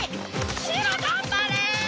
白頑張れ！！